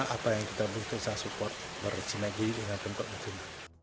apa yang kita butuhkan support bersemedi dengan keputusan